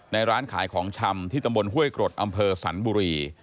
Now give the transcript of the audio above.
ร้านขายของชำที่ตำบลห้วยกรดอำเภอสันบุรี